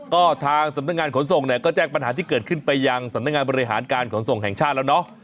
ก็ทางสำนักงานขนส่งเนี่ยก็แจ้งปัญหาที่เกิดขึ้นไปยังสำนักงานบริหารการขนส่งแห่งชาติแล้วเนาะ